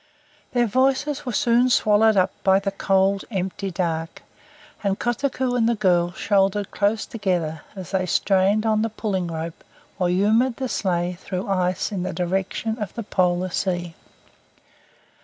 Their voices were soon swallowed up by the cold, empty dark, and Kotuko and the girl shouldered close together as they strained on the pulling rope or humoured the sleigh through the ice in the direction of the Polar Sea.